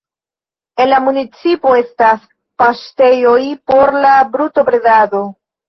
En la municipo estas paŝtejoj por la brutobredado.